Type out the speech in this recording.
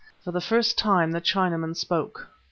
For the first time the Chinaman spoke.